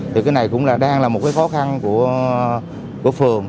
thì cái này cũng là đang là một cái khó khăn của phường